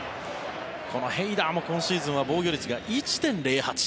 このヘイダーも今シーズンは防御率が１．０８。